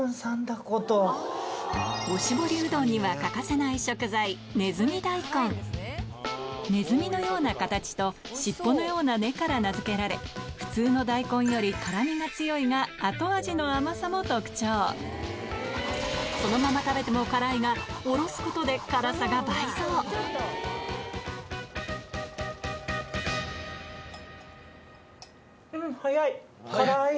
おしぼりうどんには欠かせない食材ねずみのような形と尻尾のような根から名付けられ普通の大根より辛味が強いが後味の甘さも特徴そのまま食べても辛いがうん早い。